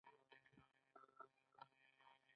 خو وروسته د دې ډلو ترمنځ اختلاف ورک شو.